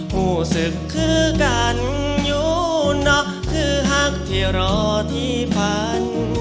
ผู้ศึกคือกันอยู่นอกคือฮักที่รอที่ฝัน